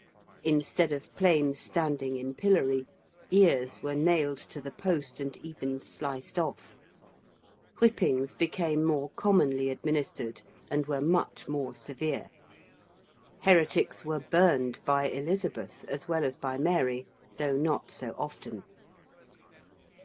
Instead of plain standing in pillory, ears were nailed to the post and even sliced off: whippings became more commonly administered, and were much more severe: heretics were burned by Elizabeth as well as by Mary, though not so often.